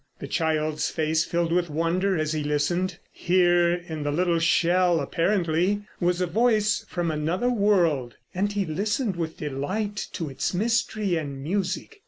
The child's face filled with wonder as he listened. Here in the little shell, apparently, was a voice from another world, and he listened with delight to its mystery and music.